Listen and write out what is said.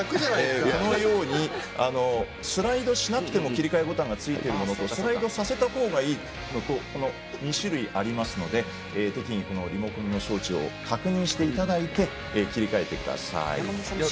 スライドしなくても切り替えボタンがついてるものとスライドさせたほうがいいのと２種類ありますので適宜、リモコンの装置を確認していただいて切り替えてください。